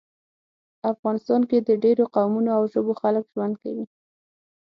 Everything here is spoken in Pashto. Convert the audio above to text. افغانستان کې د ډیرو قومونو او ژبو خلک ژوند کوي